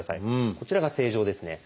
こちらが正常ですね。